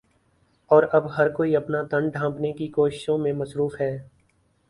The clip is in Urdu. اور اب ہر کوئی اپنا تن ڈھانپٹنے کی کوششوں میں مصروف ہے